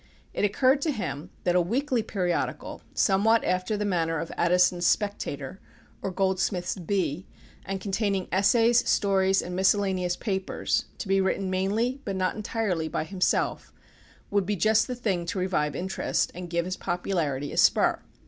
It occurred to him that a weekly periodical, somewhat after the manner of Addison's Spectator or Goldsmith's Bee, and containing essays, stories, and miscellaneous papers, to be written mainly, but not entirely, by himself, would be just the thing to revive interest, and give his popularity a spur.